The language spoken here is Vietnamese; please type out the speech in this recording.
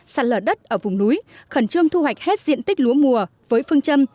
sạt lở đất ở vùng núi khẩn trương thu hoạch hết diện tích lúa mùa với phương châm